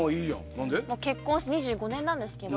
結婚して２５年なんですけど。